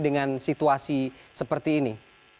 dengan situasi seperti ini